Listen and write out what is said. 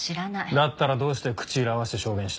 だったらどうして口裏合わせて証言した？